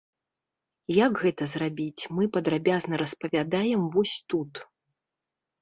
Як гэта зрабіць, мы падрабязна распавядаем вось тут.